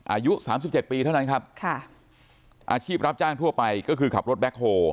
อายุ๓๗ปีเท่านั้นครับอาชีพรับจ้างทั่วไปก็คือขับรถแบ็คโฮ